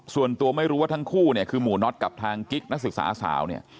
ส่วนตัวไม่รู้ว่าทั้งคู่เนี่ยคือหมู่น็อตกับทางกิ๊กนักศึกษาสาวเนี่ย